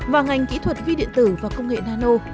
và ngành kỹ thuật vi điện tử và công nghệ nano